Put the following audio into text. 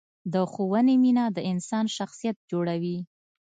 د ښوونې مینه د انسان شخصیت جوړوي.